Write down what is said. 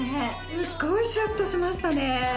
スッゴいシュッとしましたね